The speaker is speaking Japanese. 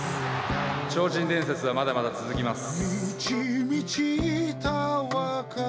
超人伝説はまだまだ続きます。